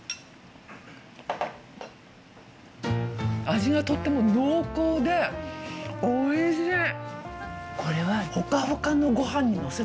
味がとっても濃厚でおいしい！